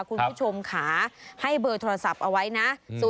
คุณผู้ชมค่ะให้เบอร์โทรศัพท์เอาไว้นะ